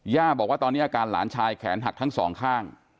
ย่าบอกว่าตอนนี้อาการหลานชายแขนหักทั้งสองข้าง